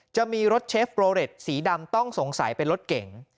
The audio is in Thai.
จะมีรถเชฟโรเรตสีดำต้องสงสัยเป็นรถเก๋ง